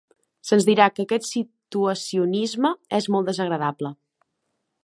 Se'ns dirà que aquest situacionisme és molt desagradable.